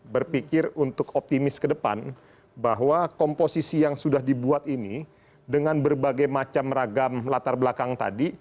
berpikir untuk optimis ke depan bahwa komposisi yang sudah dibuat ini dengan berbagai macam ragam latar belakang tadi